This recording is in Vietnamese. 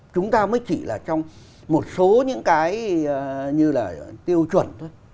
chúng ta mới chỉ là trong một số những cái như là tiêu chuẩn thôi